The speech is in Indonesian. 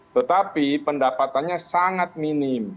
tetapi pendapatannya sangat minim